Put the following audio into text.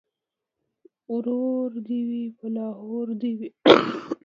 ـ ورور دې وي په لاهور دې وي.